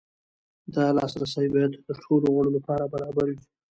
دا لاسرسی باید د ټولو غړو لپاره برابر وي.